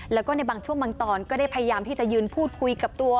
แล้วก็ในบางช่วงบางตอนก็ได้พยายามที่จะยืนพูดคุยกับตัว